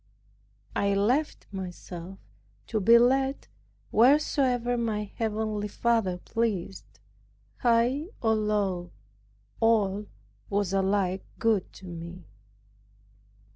I left myself to be led wheresoever my heavenly Father pleased, high or low; all was alike good to me.